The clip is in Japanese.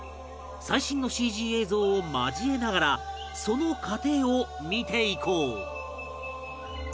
最新の ＣＧ 映像を交えながらその過程を見ていこう